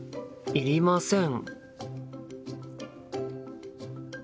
いりません。